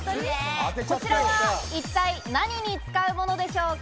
こちらは一体、何に使うものでしょうか？